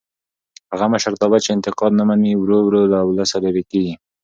هغه مشرتابه چې انتقاد نه مني ورو ورو له ولسه لرې کېږي